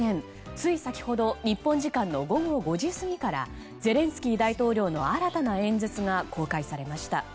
つい先ほど日本時間の午後５時過ぎからゼレンスキー大統領の新たな演説が公開されました。